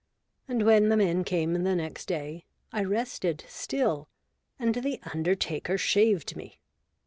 And when the men came the next day, I rested still, and the undertaker shaved me.